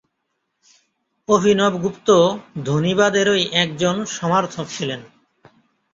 অভিনবগুপ্ত ধ্বনিবাদেরই একজন সমর্থক ছিলেন।